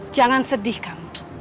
jangan sedih kamu